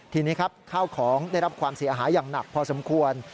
ทีนี้ครับข้าวของได้รับความเสียหายอย่างหนักพอสมควร